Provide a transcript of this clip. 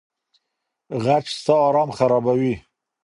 غچ ستا ارام خرابوي.